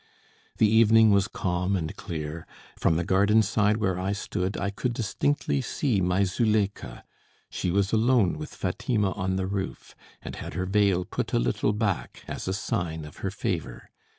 The evening was calm and clear; from the garden side where I stood, I could distinctly see my Zuléikha; she was alone with Fatima on the roof, and had her veil put a little back, as a sign of her favor.